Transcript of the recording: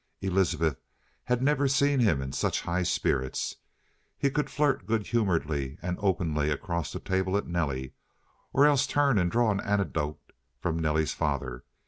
Elizabeth had never see him in such high spirits. He could flirt good humoredly and openly across the table at Nelly, or else turn and draw an anecdote from Nelly's father.